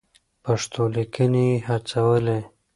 پښتو ليکنې يې هڅولې.